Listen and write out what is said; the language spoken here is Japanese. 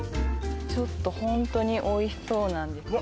ちょっとホントにおいしそうなんですよ